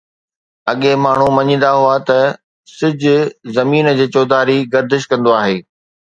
اڳي ماڻهو مڃيندا هئا ته سج زمين جي چوڌاري گردش ڪندو آهي.